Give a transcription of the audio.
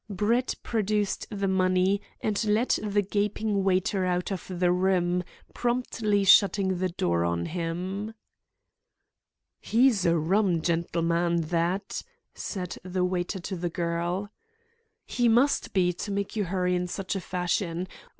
Brett produced the money and led the gaping waiter out of the room, promptly shutting the door on him. "He's a rum gentleman that," said the waiter to the girl. "He must be, to make you hurry in such fashion.